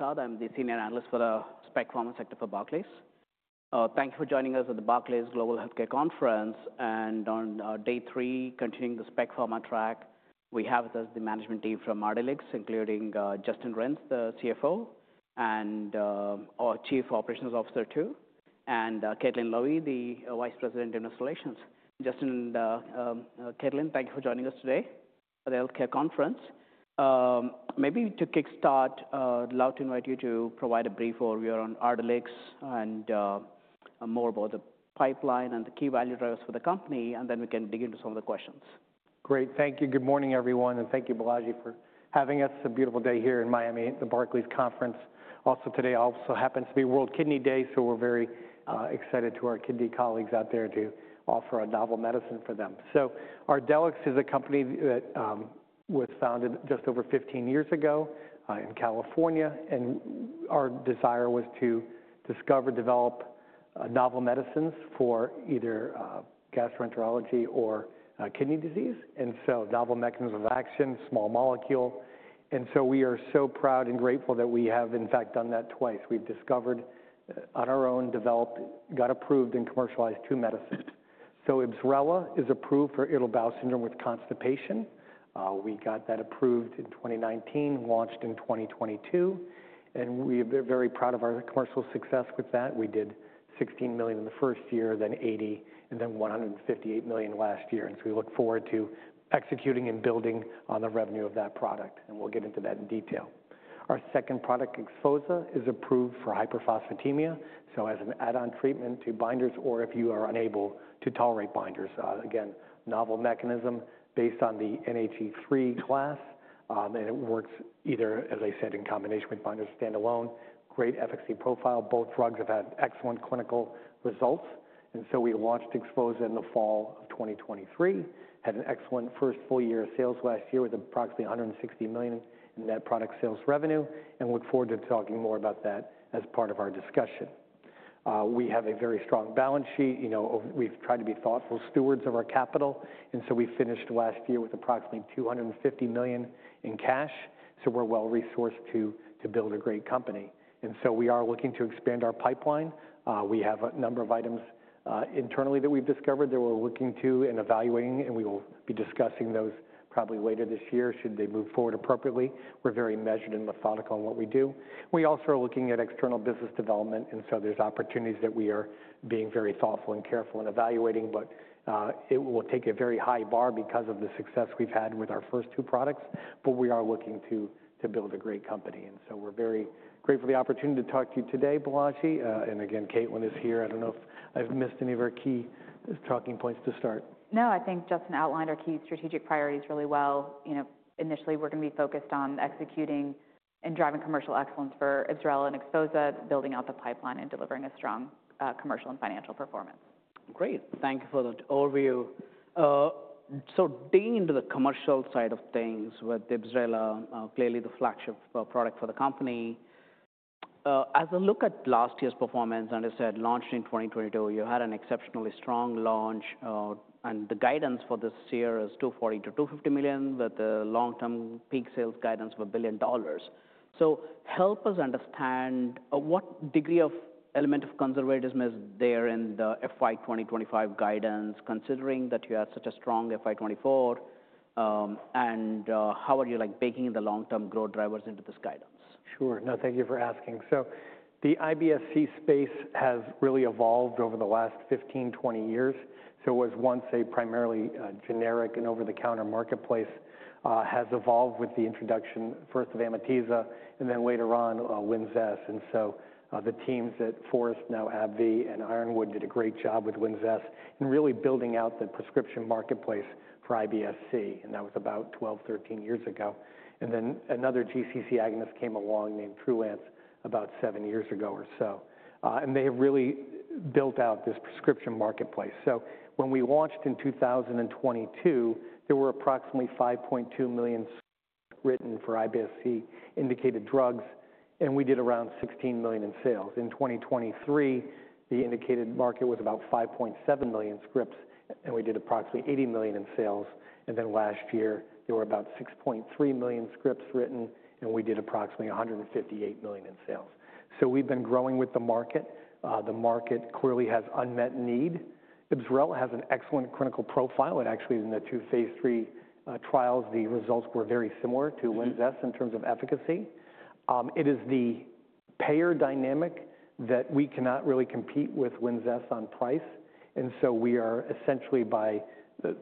I'm the Senior Analyst for the Spec Pharma sector for Barclays. Thank you for joining us at the Barclays Global Healthcare Conference. On day three, continuing the Spec Pharma track, we have with us the management team from Ardelyx, including Justin Renz, the CFO and Chief Operations Officer too, and Caitlin Lowie, the Vice President of Innovations. Justin and Caitlin, thank you for joining us today at the healthcare conference. Maybe to kickstart, I'd love to invite you to provide a brief overview on Ardelyx and more about the pipeline and the key value drivers for the company, and then we can dig into some of the questions. Great. Thank you. Good morning, everyone. And thank you, Balaji, for having us. It's a beautiful day here in Miami, the Barclays Conference. Also, today also happens to be World Kidney Day, so we're very excited to our kidney colleagues out there to offer a novel medicine for them. Ardelyx is a company that was founded just over 15 years ago in California. Our desire was to discover and develop novel medicines for either gastroenterology or kidney disease. Novel mechanism of action, small molecule. We are so proud and grateful that we have, in fact, done that twice. We've discovered, on our own, developed, got approved, and commercialized two medicines. IBSRELA is approved for irritable bowel syndrome with constipation. We got that approved in 2019, launched in 2022. We are very proud of our commercial success with that. We did $16 million in the first year, then $80 million, and then $158 million last year. We look forward to executing and building on the revenue of that product. We will get into that in detail. Our second product, XPHOZAH, is approved for hyperphosphatemia as an add-on treatment to binders or if you are unable to tolerate binders. Again, novel mechanism based on the NHE3 class. It works either, as I said, in combination with binders or standalone. Great efficacy profile. Both drugs have had excellent clinical results. We launched XPHOZAH in the fall of 2023, had an excellent first full year of sales last year with approximately $160 million in net product sales revenue, and look forward to talking more about that as part of our discussion. We have a very strong balance sheet. We have tried to be thoughtful stewards of our capital. We finished last year with approximately $250 million in cash. We are well-resourced to build a great company. We are looking to expand our pipeline. We have a number of items internally that we've discovered that we're looking to and evaluating, and we will be discussing those probably later this year should they move forward appropriately. We are very measured and methodical in what we do. We also are looking at external business development. There are opportunities that we are being very thoughtful and careful in evaluating, but it will take a very high bar because of the success we've had with our first two products. We are looking to build a great company. We are very grateful for the opportunity to talk to you today, Balaji. Again, Caitlin is here. I don't know if I've missed any of our key talking points to start. No, I think Justin outlined our key strategic priorities really well. Initially, we're going to be focused on executing and driving commercial excellence for IBSRELA and XPHOZAH, building out the pipeline and delivering a strong commercial and financial performance. Great. Thank you for that overview. Digging into the commercial side of things with IBSRELA, clearly the flagship product for the company. As I look at last year's performance, and as I said, launched in 2022, you had an exceptionally strong launch. The guidance for this year is $240 million-$250 million, with a long-term peak sales guidance of $1 billion. Help us understand what degree of element of conservatism is there in the FY 2025 guidance, considering that you have such a strong FY 2024. How are you baking the long-term growth drivers into this guidance? Sure. No, thank you for asking. The IBS-C space has really evolved over the last 15-20 years. It was once a primarily generic and over-the-counter marketplace, has evolved with the introduction first of Amitiza and then later on Linzess. The teams at Forest, now AbbVie, and Ironwood did a great job with Linzess in really building out the prescription marketplace for IBS-C. That was about 12-13 years ago. Another GCC agonist came along named Trulance about seven years ago or so. They have really built out this prescription marketplace. When we launched in 2022, there were approximately 5.2 million scripts written for IBS-C indicated drugs. We did around $16 million in sales. In 2023, the indicated market was about 5.7 million scripts. We did approximately $80 million in sales. Last year, there were about 6.3 million scripts written. We did approximately $158 million in sales. We have been growing with the market. The market clearly has unmet need. IBSRELA has an excellent clinical profile. It actually is in the two phase III trials. The results were very similar to Linzess in terms of efficacy. It is the payer dynamic that we cannot really compete with Linzess on price. We are essentially, by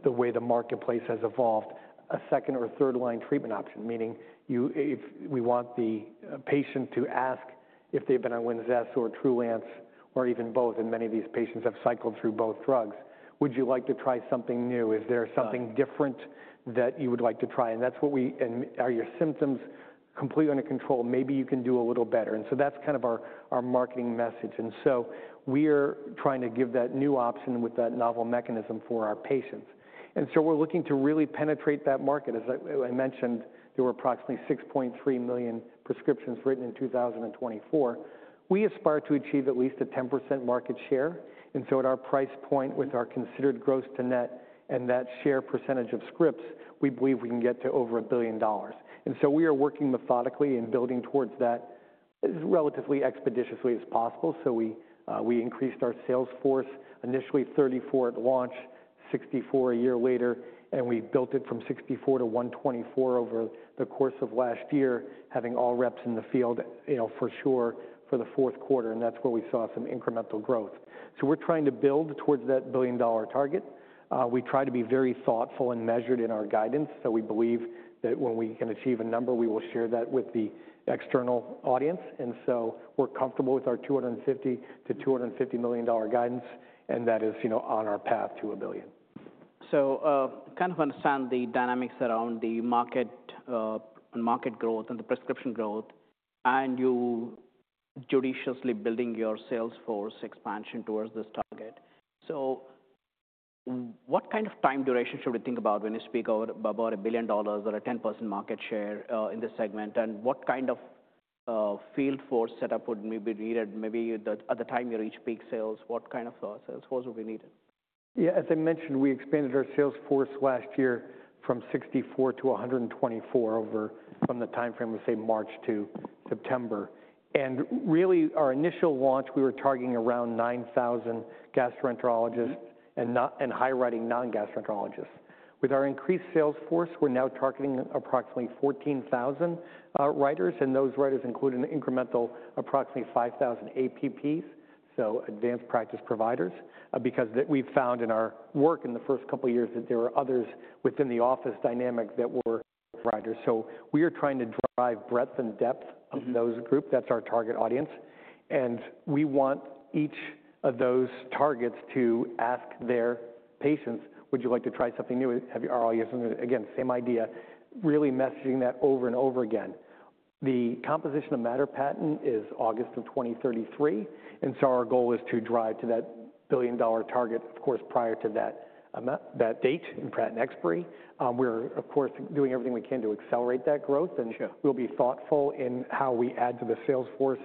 the way the marketplace has evolved, a second or third line treatment option, meaning if we want the patient to ask if they have been on Linzess or Trulance or even both, and many of these patients have cycled through both drugs, would you like to try something new? Is there something different that you would like to try? That is what we, and are your symptoms completely under control? Maybe you can do a little better. That is kind of our marketing message. We are trying to give that new option with that novel mechanism for our patients. We are looking to really penetrate that market. As I mentioned, there were approximately 6.3 million prescriptions written in 2024. We aspire to achieve at least a 10% market share. At our price point, with our considered gross-to-net and that share percentage of scripts, we believe we can get to over $1 billion. We are working methodically and building towards that as relatively expeditiously as possible. We increased our sales force, initially 34 at launch, 64 a year later, and we built it from 64 to 124 over the course of last year, having all reps in the field for sure for the fourth quarter. That's where we saw some incremental growth. We are trying to build towards that billion dollar target. We try to be very thoughtful and measured in our guidance. We believe that when we can achieve a number, we will share that with the external audience. We are comfortable with our $250 million-$250 million guidance. That is on our path to a billion. Kind of understand the dynamics around the market and market growth and the prescription growth, and you judiciously building your sales force expansion towards this target. What kind of time duration should we think about when you speak about a billion dollars or a 10% market share in this segment? What kind of field force setup would maybe be needed? Maybe at the time you reach peak sales, what kind of sales force would be needed? Yeah, as I mentioned, we expanded our sales force last year from 64 to 124 over from the timeframe we say March to September. Really, our initial launch, we were targeting around 9,000 gastroenterologists and high-writing non-gastroenterologists. With our increased sales force, we're now targeting approximately 14,000 writers. Those writers include an incremental approximately 5,000 APPs, so advanced practice providers, because we've found in our work in the first couple of years that there were others within the office dynamic that were writers. We are trying to drive breadth and depth of those groups. That's our target audience. We want each of those targets to ask their patients, would you like to try something new? Are all your symptoms? Again, same idea, really messaging that over and over again. The composition of matter patent is August of 2033. Our goal is to drive to that billion dollar target, of course, prior to that date in patent expiry. We're, of course, doing everything we can to accelerate that growth. We'll be thoughtful in how we add to the sales force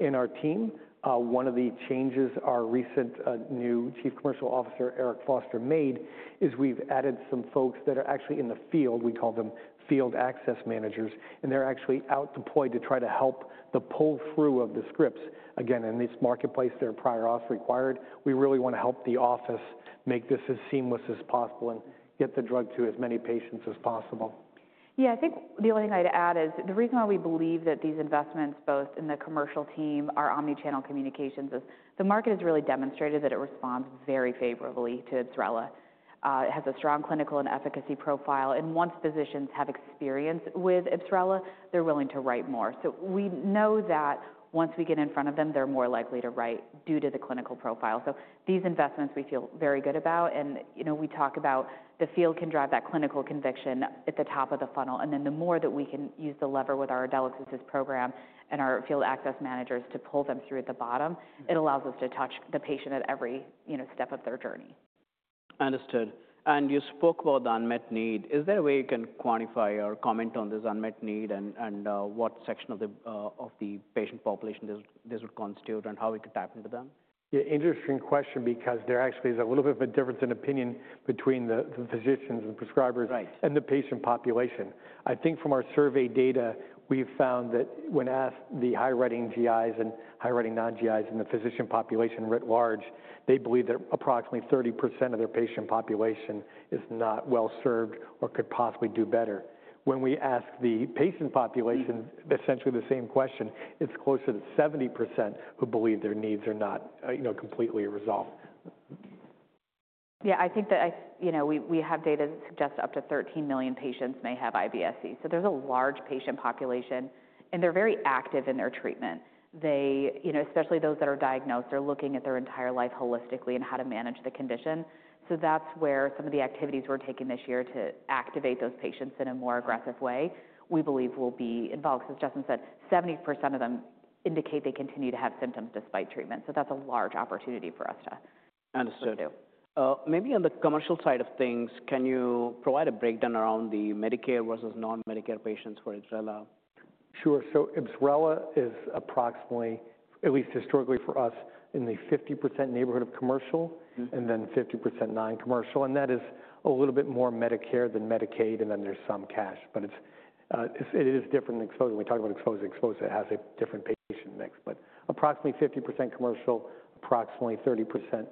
in our team. One of the changes our recent new Chief Commercial Officer, Eric Foster, made is we've added some folks that are actually in the field. We call them field access managers. They're actually out deployed to try to help the pull through of the scripts. Again, in this marketplace, there are prior auth required. We really want to help the office make this as seamless as possible and get the drug to as many patients as possible. Yeah, I think the only thing I'd add is the reason why we believe that these investments, both in the commercial team, our omnichannel communications, is the market has really demonstrated that it responds very favorably to IBSRELA. It has a strong clinical and efficacy profile. Once physicians have experience with IBSRELA, they're willing to write more. We know that once we get in front of them, they're more likely to write due to the clinical profile. These investments, we feel very good about. We talk about the field can drive that clinical conviction at the top of the funnel. The more that we can use the lever with our ArdelyxAssist program and our field access managers to pull them through at the bottom, it allows us to touch the patient at every step of their journey. Understood. You spoke about the unmet need. Is there a way you can quantify or comment on this unmet need and what section of the patient population this would constitute and how we could tap into them? Yeah, interesting question because there actually is a little bit of a difference in opinion between the physicians and the prescribers and the patient population. I think from our survey data, we've found that when asked the high-riding GIs and high-riding non-GIs and the physician population writ large, they believe that approximately 30% of their patient population is not well served or could possibly do better. When we ask the patient population essentially the same question, it's closer to 70% who believe their needs are not completely resolved. Yeah, I think that we have data that suggests up to 13 million patients may have IBS-C. There is a large patient population, and they're very active in their treatment. Especially those that are diagnosed, they're looking at their entire life holistically and how to manage the condition. That is where some of the activities we're taking this year to activate those patients in a more aggressive way, we believe, will be involved. As Justin said, 70% of them indicate they continue to have symptoms despite treatment. That is a large opportunity for us to do. Understood. Maybe on the commercial side of things, can you provide a breakdown around the Medicare versus non-Medicare patients for IBSRELA? Sure. So IBSRELA is approximately, at least historically for us, in the 50% neighborhood of commercial and then 50% non-commercial. That is a little bit more Medicare than Medicaid, and then there's some cash. It is different than exposure. When we talk about exposure, exposure has a different patient mix. Approximately 50% commercial, approximately 30%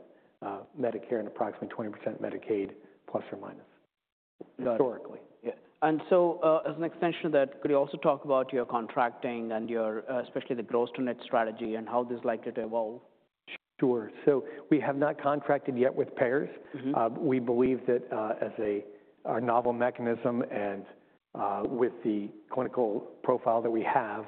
Medicare, and approximately 20% Medicaid, plus or minus, historically. Yeah. As an extension of that, could you also talk about your contracting and especially the gross-to-net strategy and how this is likely to evolve? Sure. We have not contracted yet with payers. We believe that as a novel mechanism and with the clinical profile that we have,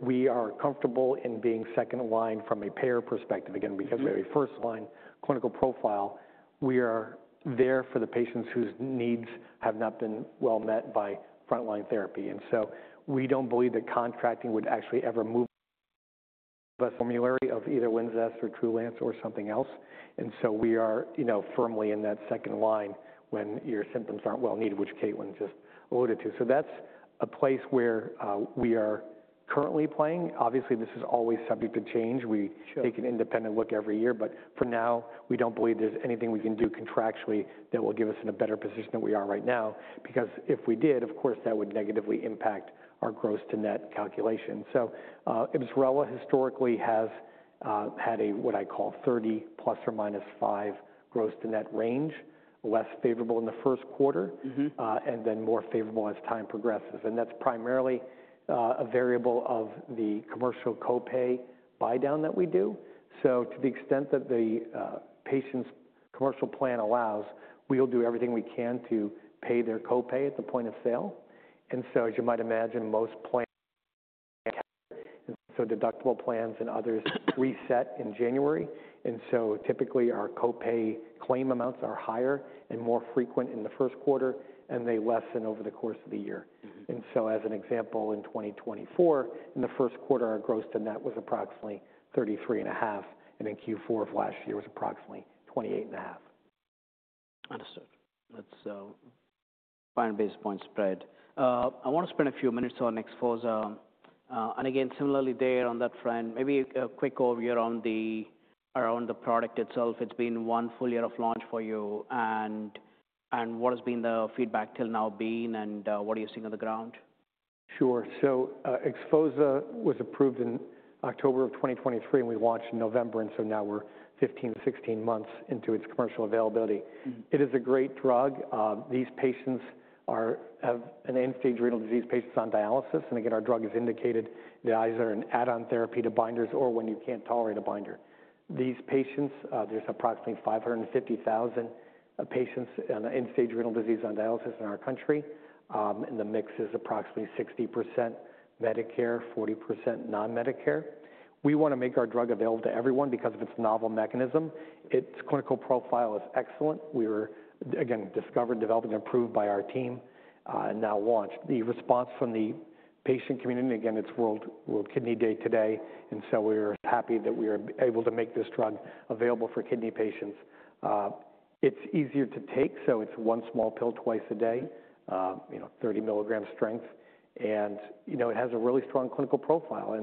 we are comfortable in being second line from a payer perspective. Again, because we have a first line clinical profile, we are there for the patients whose needs have not been well met by frontline therapy. We do not believe that contracting would actually ever move us on the formulary of either Linzess or Trulance or something else. We are firmly in that second line when your symptoms are not well met, which Caitlin just alluded to. That is a place where we are currently playing. Obviously, this is always subject to change. We take an independent look every year. For now, we do not believe there is anything we can do contractually that will get us in a better position than we are right now. Because if we did, of course, that would negatively impact our gross-to-net calculation. So IBSRELA historically has had a what I call 30% plus or minus 5% gross-to-net range, less favorable in the first quarter, and then more favorable as time progresses. That is primarily a variable of the commercial copay buy-down that we do. To the extent that the patient's commercial plan allows, we will do everything we can to pay their copay at the point of sale. As you might imagine, most plans, so deductible plans and others, reset in January. Typically, our copay claim amounts are higher and more frequent in the first quarter, and they lessen over the course of the year. As an example, in 2024, in the first quarter, our gross-to-net was approximately 33.5%. In Q4 of last year, it was approximately 28.5%. Understood. That's 500 basis points spread. I want to spend a few minutes on XPHOZAH. Again, similarly there on that front, maybe a quick overview around the product itself. It's been one full year of launch for you. What has the feedback till now been, and what are you seeing on the ground? Sure. XPHOZAH was approved in October of 2023, and we launched in November. Now we're 15-16 months into its commercial availability. It is a great drug. These patients are end-stage renal disease patients on dialysis. Our drug is indicated as either an add-on therapy to binders or when you can't tolerate a binder. There are approximately 550,000 patients with end-stage renal disease on dialysis in our country. The mix is approximately 60% Medicare, 40% non-Medicare. We want to make our drug available to everyone because of its novel mechanism. Its clinical profile is excellent. We were, again, discovered, developed, and approved by our team and now launched. The response from the patient community, again, it's World Kidney Day today. We are happy that we are able to make this drug available for kidney patients. It's easier to take. It's one small pill twice a day, 30 mg strength. It has a really strong clinical profile.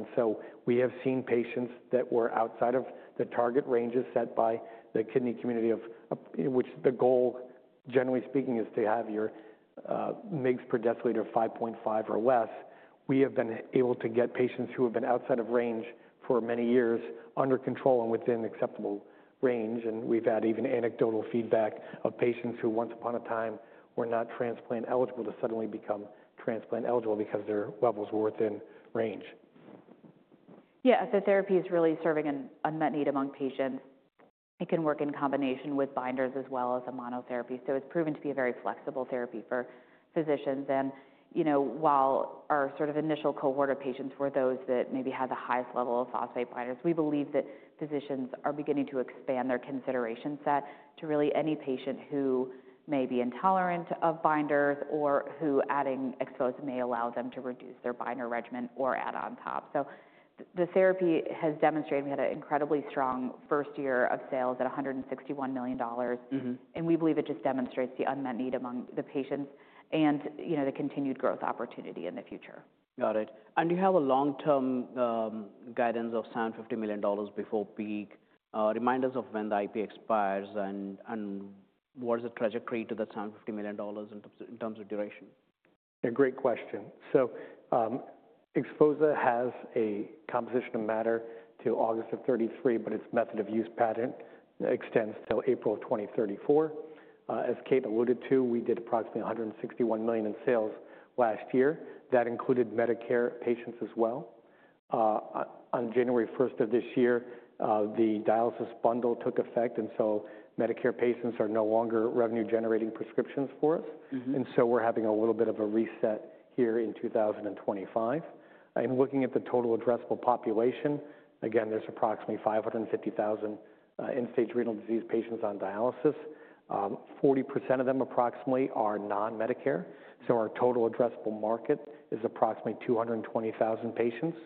We have seen patients that were outside of the target ranges set by the kidney community, which the goal, generally speaking, is to have your milligrams per deciliter 5.5 or less. We have been able to get patients who have been outside of range for many years under control and within acceptable range. We've had even anecdotal feedback of patients who, once upon a time, were not transplant eligible to suddenly become transplant eligible because their levels were within range. Yeah, the therapy is really serving an unmet need among patients. It can work in combination with binders as well as a monotherapy. It is proven to be a very flexible therapy for physicians. While our sort of initial cohort of patients were those that maybe had the highest level of phosphate binders, we believe that physicians are beginning to expand their consideration set to really any patient who may be intolerant of binders or who adding XPHOZAH may allow them to reduce their binder regimen or add on top. The therapy has demonstrated we had an incredibly strong first year of sales at $161 million. We believe it just demonstrates the unmet need among the patients and the continued growth opportunity in the future. Got it. You have a long-term guidance of $750 million before peak. Remind us of when the IP expires and what is the trajectory to that $750 million in terms of duration? Yeah, great question. XPHOZAH has a composition of matter to August of 2033, but its method of use patent extends til April of 2034. As Caitlin alluded to, we did approximately $161 million in sales last year. That included Medicare patients as well. On January 1st of this year, the dialysis bundle took effect. Medicare patients are no longer revenue-generating prescriptions for us. We are having a little bit of a reset here in 2025. Looking at the total addressable population, again, there are approximately 550,000 end-stage renal disease patients on dialysis. 40% of them approximately are non-Medicare. Our total addressable market is approximately 220,000 patients.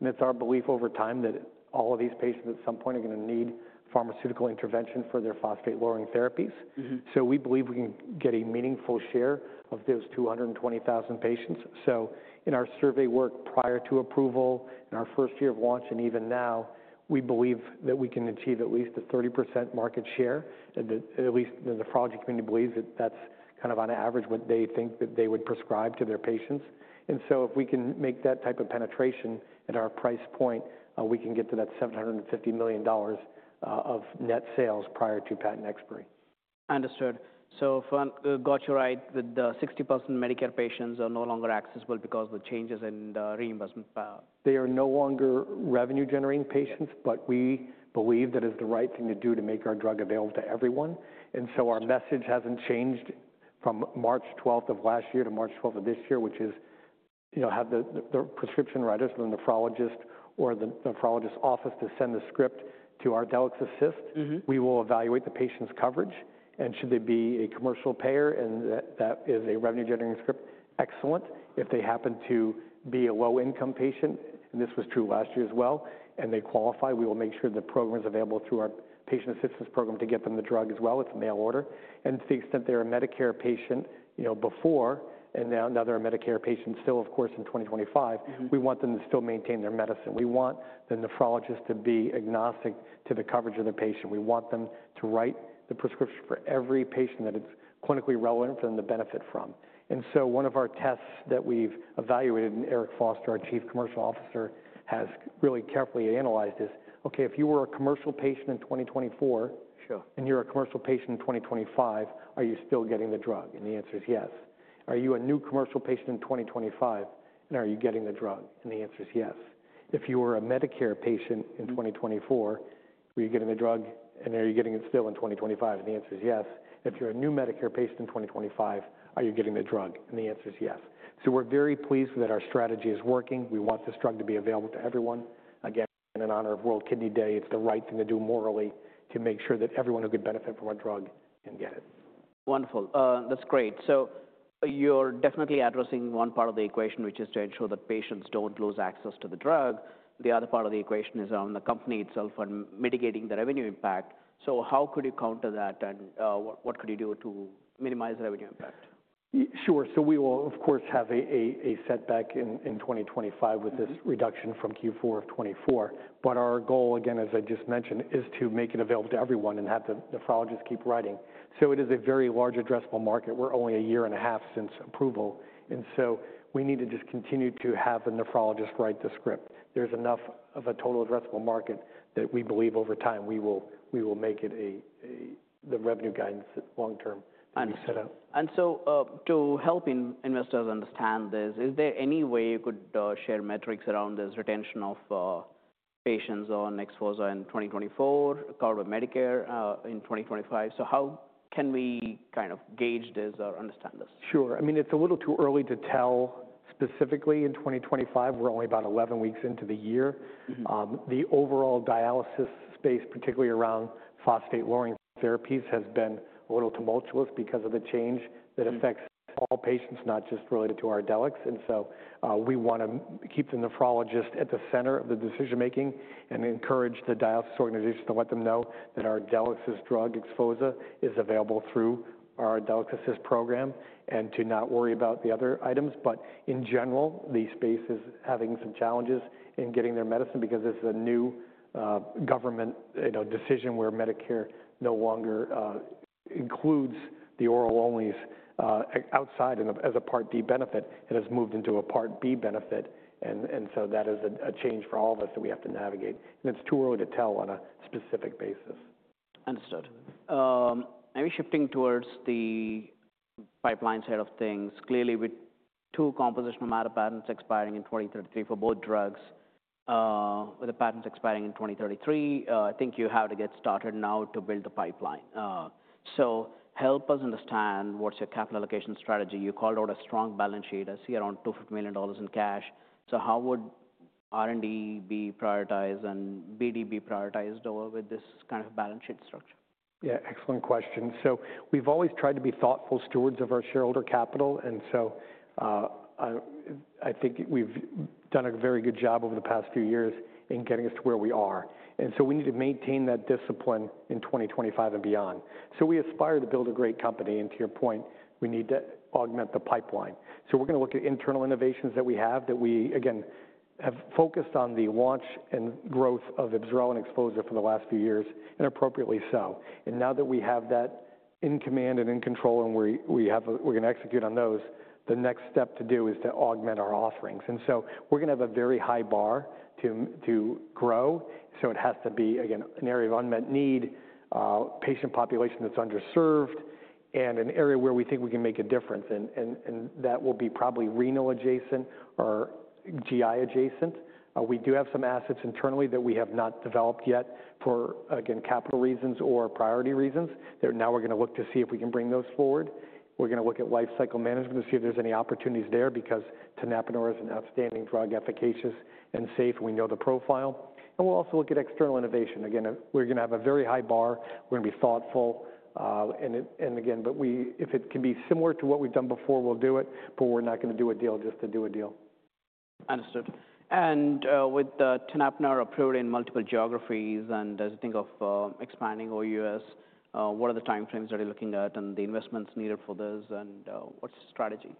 It is our belief over time that all of these patients at some point are going to need pharmaceutical intervention for their phosphate-lowering therapies. We believe we can get a meaningful share of those 220,000 patients. In our survey work prior to approval, in our first year of launch, and even now, we believe that we can achieve at least a 30% market share. At least the nephrology community believes that that's kind of on average what they think that they would prescribe to their patients. If we can make that type of penetration at our price point, we can get to that $750 million of net sales prior to patent expiry. Understood. Got you right with the 60% Medicare patients are no longer accessible because of the changes in reimbursement? They are no longer revenue-generating patients, but we believe that is the right thing to do to make our drug available to everyone. Our message has not changed from March 12th of last year to March 12th of this year, which is have the prescription writers, the nephrologist, or the nephrologist's office send the script to ArdelyxAssist. We will evaluate the patient's coverage. Should they be a commercial payer and that is a revenue-generating script, excellent. If they happen to be a low-income patient, and this was true last year as well, and they qualify, we will make sure the program is available through our patient assistance program to get them the drug as well. It is a mail order. To the extent they're a Medicare patient before, and now they're a Medicare patient still, of course, in 2025, we want them to still maintain their medicine. We want the nephrologist to be agnostic to the coverage of the patient. We want them to write the prescription for every patient that it's clinically relevant for them to benefit from. One of our tests that we've evaluated, and Eric Foster, our Chief Commercial Officer, has really carefully analyzed is, okay, if you were a commercial patient in 2024, and you're a commercial patient in 2025, are you still getting the drug? The answer is yes. Are you a new commercial patient in 2025, and are you getting the drug? The answer is yes. If you were a Medicare patient in 2024, are you getting the drug, and are you getting it still in 2025? The answer is yes. If you're a new Medicare patient in 2025, are you getting the drug? The answer is yes. We are very pleased that our strategy is working. We want this drug to be available to everyone. Again, in honor of World Kidney Day, it is the right thing to do morally to make sure that everyone who could benefit from a drug can get it. Wonderful. That's great. You're definitely addressing one part of the equation, which is to ensure that patients don't lose access to the drug. The other part of the equation is on the company itself and mitigating the revenue impact. How could you counter that, and what could you do to minimize revenue impact? Sure. We will, of course, have a setback in 2025 with this reduction from Q4 of 2024. Our goal, again, as I just mentioned, is to make it available to everyone and have the nephrologist keep writing. It is a very large addressable market. We're only a year and a half since approval. We need to just continue to have the nephrologist write the script. There's enough of a total addressable market that we believe over time we will make it the revenue guidance long-term setup. To help investors understand this, is there any way you could share metrics around this retention of patients on XPHOZAH in 2024, covered by Medicare in 2025? How can we kind of gauge this or understand this? Sure. I mean, it's a little too early to tell specifically in 2025. We're only about 11 weeks into the year. The overall dialysis space, particularly around phosphate-lowering therapies, has been a little tumultuous because of the change that affects all patients, not just related to Ardelyx. We want to keep the nephrologist at the center of the decision-making and encourage the dialysis organization to let them know that Ardelyx's drug, XPHOZAH, is available through our ArdelyxAssist program and to not worry about the other items. In general, the space is having some challenges in getting their medicine because this is a new government decision where Medicare no longer includes the oral-onlies outside as a Part D benefit. It has moved into a Part B benefit. That is a change for all of us that we have to navigate. It is too early to tell on a specific basis. Understood. Maybe shifting towards the pipeline side of things. Clearly, with two composition of matter patents expiring in 2033 for both drugs, with the patents expiring in 2033, I think you have to get started now to build the pipeline. Help us understand what's your capital allocation strategy. You called out a strong balance sheet. I see around $250 million in cash. How would R&D be prioritized and BD be prioritized over with this kind of balance sheet structure? Yeah, excellent question. We've always tried to be thoughtful stewards of our shareholder capital. I think we've done a very good job over the past few years in getting us to where we are. We need to maintain that discipline in 2025 and beyond. We aspire to build a great company. To your point, we need to augment the pipeline. We're going to look at internal innovations that we have that we, again, have focused on the launch and growth of IBSRELA and XPHOZAH for the last few years, and appropriately so. Now that we have that in command and in control and we're going to execute on those, the next step to do is to augment our offerings. We're going to have a very high bar to grow. It has to be, again, an area of unmet need, patient population that's underserved, and an area where we think we can make a difference. That will be probably renal adjacent or GI adjacent. We do have some assets internally that we have not developed yet for, again, capital reasons or priority reasons. Now we're going to look to see if we can bring those forward. We're going to look at lifecycle management to see if there's any opportunities there because tenapanor is an outstanding drug, efficacious and safe. We know the profile. We'll also look at external innovation. Again, we're going to have a very high bar. We're going to be thoughtful. Again, if it can be similar to what we've done before, we'll do it. We're not going to do a deal just to do a deal. Understood. And with tenapanor approved in multiple geographies and as you think of expanding or U.S., what are the timeframes that you're looking at and the investments needed for this and what's the strategy?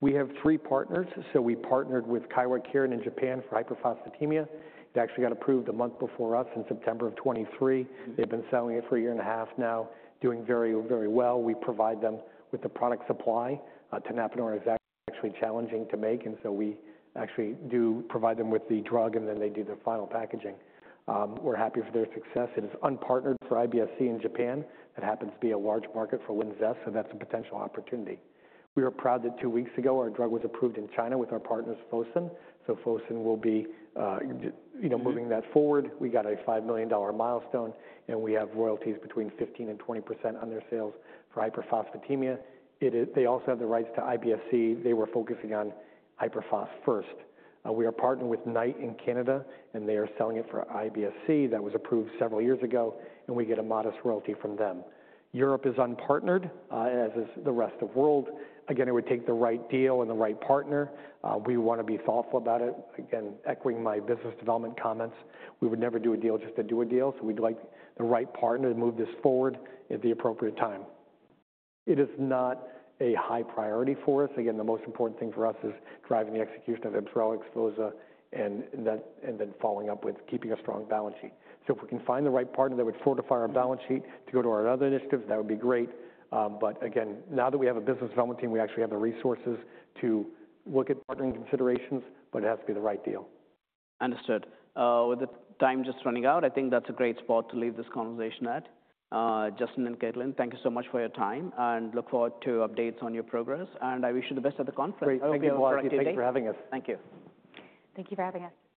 We have three partners. We partnered with Kyowa Kirin in Japan for hyperphosphatemia. It actually got approved a month before us in September of 2023. They have been selling it for a year and a half now, doing very, very well. We provide them with the product supply. Tenapanor is actually challenging to make. We actually do provide them with the drug, and then they do the final packaging. We are happy for their success. It is unpartnered for IBS-C in Japan. That happens to be a large market for Linzess. That is a potential opportunity. We are proud that two weeks ago, our drug was approved in China with our partners, Fosun. Fosun will be moving that forward. We got a $5 million milestone, and we have royalties between 15%-20% on their sales for hyperphosphatemia. They also have the rights to IBS-C. They were focusing on hyperphosph first. We are partnered with Knight in Canada, and they are selling it for IBS-C that was approved several years ago, and we get a modest royalty from them. Europe is unpartnered, as is the rest of the world. Again, it would take the right deal and the right partner. We want to be thoughtful about it. Again, echoing my business development comments, we would never do a deal just to do a deal. We would like the right partner to move this forward at the appropriate time. It is not a high priority for us. Again, the most important thing for us is driving the execution of IBSRELA, XPHOZAH, and then following up with keeping a strong balance sheet. If we can find the right partner that would fortify our balance sheet to go to our other initiatives, that would be great. Again, now that we have a business development team, we actually have the resources to look at partnering considerations, but it has to be the right deal. Understood. With the time just running out, I think that's a great spot to leave this conversation at. Justin and Caitlin, thank you so much for your time. I look forward to updates on your progress. I wish you the best at the conference. Great to be part of it. Thanks for having us. Thank you. Thank you for having us.